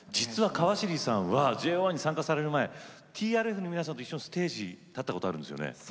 川尻さんはＪＯ１に入る前にＴＲＦさんの皆さんと一緒にステージに立ったことがあるんですね。